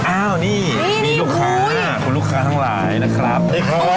อ้าวนี่มีลูกค้าคุณลูกค้าทั้งหลายนะครับสวัสดีครับสวัสดีครับ